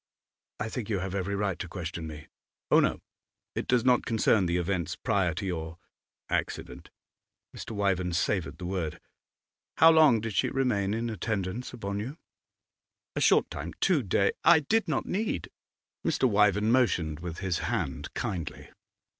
'I think you have every right to question me.' 'Oh no! It does not concern the events prior to your accident.' Mr. Wyvern savoured the word. 'How long did she remain in attendance upon you?' 'A short time two day I did not need ' Mr. Wyvern motioned with his hand, kindly.